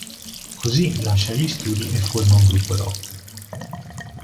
Così, lascia gli studi, e forma un gruppo rock.